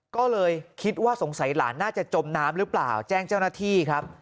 ก็เลยคิดว่าสงสัยหลานน่าจะจมน้ำหรือเปล่าแจ้งเจ้าหน้าที่ครับ